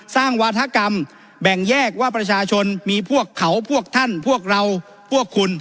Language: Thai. วาธกรรมแบ่งแยกว่าประชาชนมีพวกเขาพวกท่านพวกเราพวกคุณ